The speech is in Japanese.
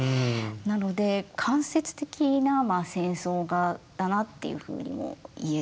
なので間接的な戦争画だなっていうふうにも言えて。